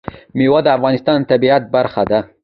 مېوې د افغانستان د طبیعت برخه ده.